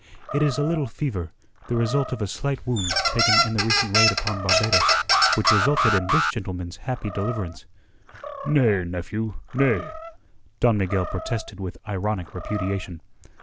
It is a little fever, the result of a slight wound taken in the recent raid upon Barbados, which resulted in this gentleman's happy deliverance." "Nay, nephew, nay," Don Miguel protested with ironic repudiation.